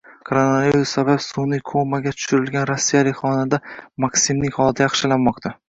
Koronavirus sabab sun’iy komaga tushirilgan rossiyalik xonanda MakSimning holati yaxshilanmoqda